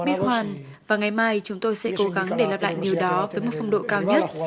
bichon và ngày mai chúng tôi sẽ cố gắng để lặp lại điều đó với một phong độ cao nhất